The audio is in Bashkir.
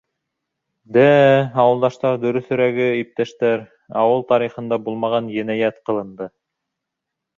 — Дә-ә, ауылдаштар, дөрөҫөрәге, иптәштәр, ауыл тарихында булмаған енәйәт ҡылынды.